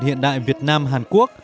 hiện đại việt nam hàn quốc